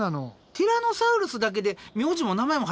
ティラノサウルスだけで名字も名前も入ってると思ってました。